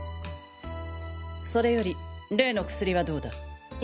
それより例の薬はどうだ？え？